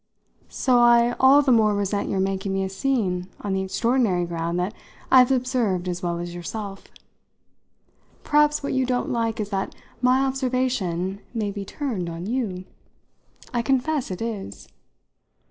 So I all the more resent your making me a scene on the extraordinary ground that I've observed as well as yourself. Perhaps what you don't like is that my observation may be turned on you. I confess it is."